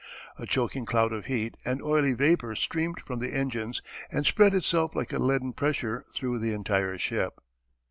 A choking cloud of heat and oily vapour streamed from the engines and spread itself like a leaden pressure through the entire ship.